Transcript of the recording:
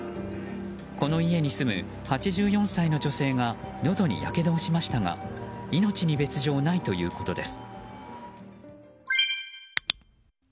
この家に住む８４歳の女性がのどにやけどをしましたが命に別状ないということです。